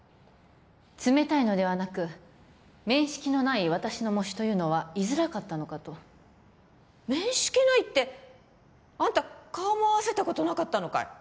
冷たいのではなく面識のない私の喪主というのは居づらかったのかと面識ないってあんた顔も合わせたことなかったのかい？